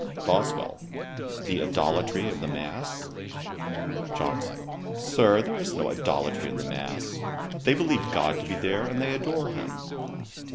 BOSWELL. 'The idolatry of the Mass?' JOHNSON. 'Sir, there is no idolatry in the Mass. They believe GOD to be there, and they adore him.'